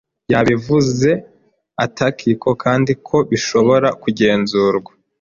Yabivuze atakiko kandi ko bishobora kugenzurwa.